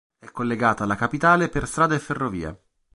È collegata alla capitale per strada e ferrovia.